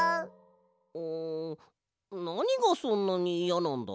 んなにがそんなにいやなんだ？